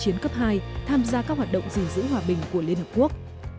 liên hợp quốc cũng đã lần đầu tiên tham gia các hoạt động giữ hòa bình của liên hợp quốc